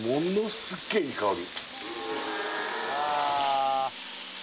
すっげえいい香り